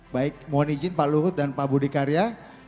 baik mohon izin pak luhut dan pak budi karya